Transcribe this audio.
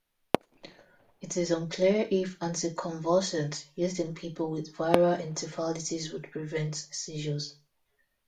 It is unclear if anticonvulsants used in people with viral encephalitis would prevent seizures.